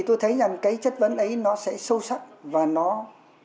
tôi thấy rằng cái chất vấn ấy nó sẽ sâu sắc và nó sẽ giúp đỡ các đại biểu của quốc hội